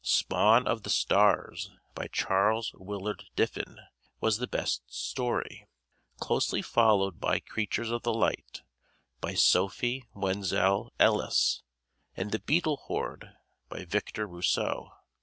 "Spawn of the Stars," by Charles Willard Diffin, was the best story, closely followed by "Creatures of the Light," by Sophie Wenzel Ellis and "The Beetle Horde," by Victor Rousseau.